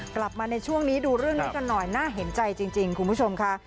กลับมาในช่วงนี้ดูเรื่องนี้กันหน่อยน่าเห็นใจจริงคุณผู้ชมค่ะ